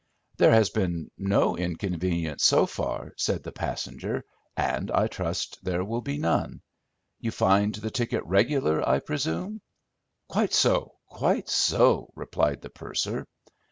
"There has been no inconvenience so far," said the passenger, "and I trust there will be none. You find the ticket regular, I presume?" "Quite so—quite so," replied the purser.